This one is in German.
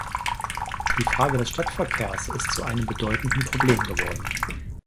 Die Frage des Stadtverkehrs ist zu einem bedeutenden Problem geworden.